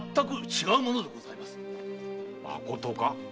まことか？